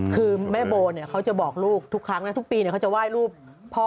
คือแม่โบเขาจะบอกลูกทุกครั้งนะทุกปีเขาจะไหว้รูปพ่อ